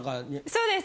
そうです。